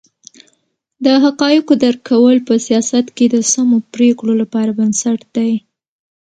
د حقایقو درک کول په سیاست کې د سمو پرېکړو لپاره بنسټ دی.